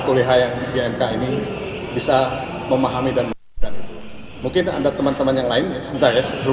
kuliah yang di mk ini bisa memahami dan mungkin ada teman teman yang lainnya sedang ya segera